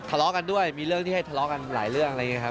ทะเลาะกันด้วยมีเรื่องที่ให้ทะเลาะกันหลายเรื่อง